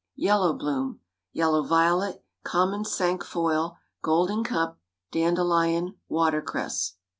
YELLOW BLOOM. Yellow violet. Common cinquefoil. Golden cup. Dandelion. Watercress.